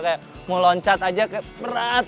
kayak mau loncat aja kayak berat